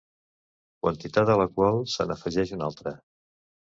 Quantitat a la qual se n'afegeix una altra.